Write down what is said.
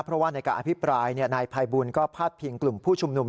เพราะว่าในการอภิปรายนายภัยบุญก็พาดพิงกลุ่มผู้ชุมนุม